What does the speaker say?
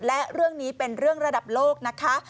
และเรื่องนี้เป็นเรื่องระดับโลกนะคะ